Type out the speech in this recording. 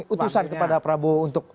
utusan kepada prabowo untuk